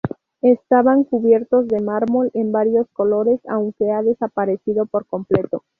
Estaban cubiertos de mármol en varios colores, aunque ha desaparecido por completo.